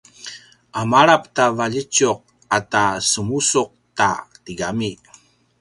a malap ta valjitjuq ata semusuq ta tigami